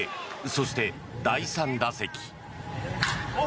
そして、第３打席。